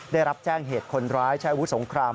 ได้รับแจ้งเหตุคนร้ายใช้อาวุธสงคราม